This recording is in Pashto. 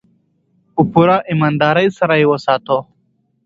په پوره امانتدارۍ سره یې وساتو.